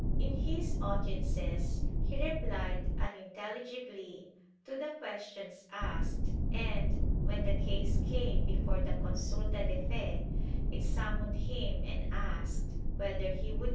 In his audiences he replied unintelligibly to the questions asked and, when the case came before the consulta de fe, it summoned him and asked whether he would take a ' Cartas de Jesuitas (Mem.